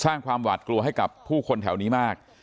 สร้างความหวาดกลัวให้กับผู้คนแถวนี้มาก